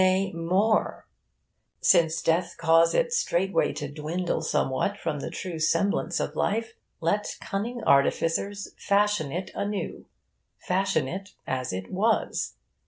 Nay more, since death cause it straightway to dwindle somewhat from the true semblance of life, let cunning artificers fashion it anew fashion it as it was.